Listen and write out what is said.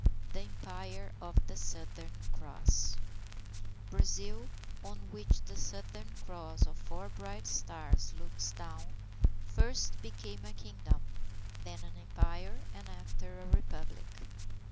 THE EMPIRE OF THE SOUTHERN CROSS Brazil, on which the Southern Cross of four bright stars, looks down, first became a Kingdom, then an Empire and after that a Republic.